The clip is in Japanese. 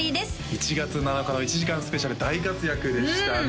１月７日の１時間スペシャル大活躍でしたね